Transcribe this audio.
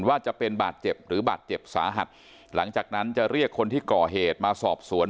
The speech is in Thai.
ว่าจะเป็นบาดเจ็บหรือบาดเจ็บสาหัสหลังจากนั้นจะเรียกคนที่ก่อเหตุมาสอบสวน